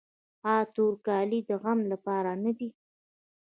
آیا تور کالي د غم لپاره نه دي؟